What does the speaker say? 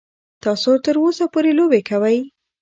تاسو تر اوسه پورې لوبې کوئ.